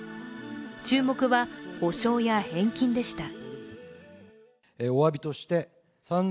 注目は補償や返金でした。